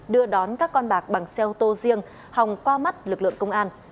đưa đón các con bạc bằng xe ô tô riêng hòng qua mắt lực lượng công an